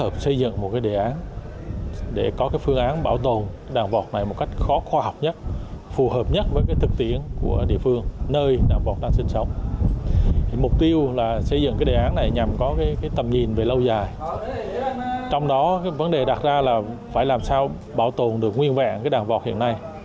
phải làm sao bảo tồn được nguyên vẹn đàn vọc hiện nay